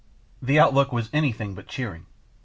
The outlook was anything but cheering.